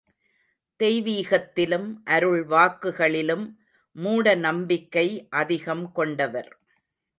தெய்வீகத்திலும், அருள் வாக்குகளிலும் மூட நம்பிக்கை அதிகம் கொண்டவர்.